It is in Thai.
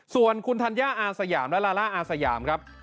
ส่วนคุณธัญญาอาสยามและลาล่าอาสยามครับ